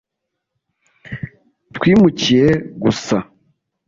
Twimukiye gusa